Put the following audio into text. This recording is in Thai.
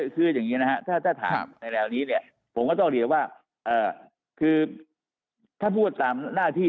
คืออย่างนี้นะครับถ้าถามในแนวนี้เนี่ยผมก็ต้องเรียนว่าคือถ้าพูดตามหน้าที่